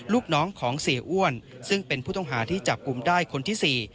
ลูกน้องของเสียอ้วนซึ่งเป็นผู้ต้องหาที่จับกลุ่มได้คนที่๔